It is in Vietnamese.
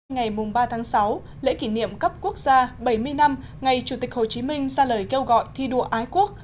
ngày ba sáu lễ kỷ niệm cấp quốc gia bảy mươi năm ngày chủ tịch hồ chí minh ra lời kêu gọi thi đua ái quốc